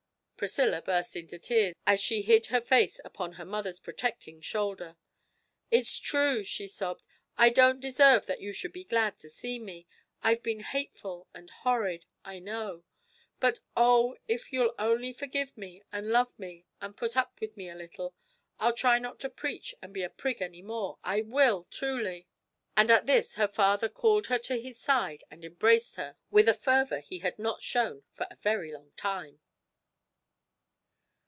Priscilla burst into tears as she hid her face upon her mother's protecting shoulder. 'It's true!' she sobbed, 'I don't deserve that you should be glad to see me I've been hateful and horrid, I know but, oh, if you'll only forgive me and love me and put up with me a little, I'll try not to preach and be a prig any more I will truly!' And at this her father called her to his side and embraced her with a fervour he had not shown for a very long time.